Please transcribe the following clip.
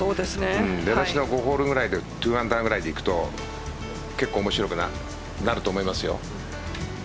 出だしの５ホールぐらいで２アンダーくらいでいくと結構、面白くなると思いますよ。